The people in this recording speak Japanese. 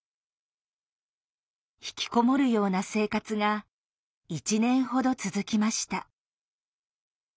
ひきこもるような生活が１年ほど続きました。